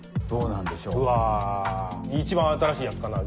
一番新しいやつかな？